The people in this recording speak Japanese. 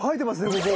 ここ。